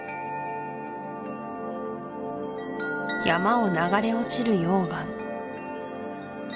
山を流れ落ちる溶岩